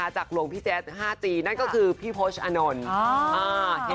หลวงพี่แจ๊ด๕จีนั่นก็คือพี่โพชอานนท์